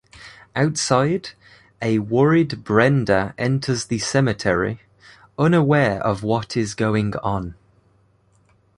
Outside, a worried Brenda enters the cemetery, unaware of what is going on.